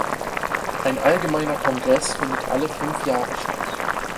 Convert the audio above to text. Ein allgemeiner Kongress findet alle fünf Jahre statt.